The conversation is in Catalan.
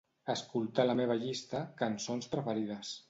Escoltar la meva llista "cançons preferides".